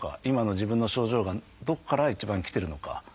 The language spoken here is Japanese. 今の自分の症状がどこから一番きてるのか。